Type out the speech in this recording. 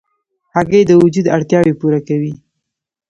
هګۍ د وجود اړتیاوې پوره کوي.